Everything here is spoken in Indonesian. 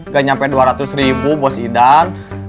gak nyampe dua ratus ribu bos idan